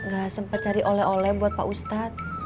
gak sempet cari oleh oleh buat pak ustaz